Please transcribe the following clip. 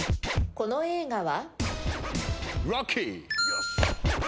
この映画は？